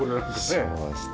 そうですね